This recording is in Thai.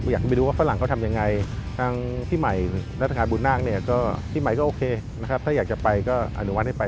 อยากไปดูว่าฝรั่งเขาทำยังไงที่ใหม่รัฐงาบุญน่างที่ใหม่ก็โอเคถ้าอยากจะไปก็อนุวัติให้ไป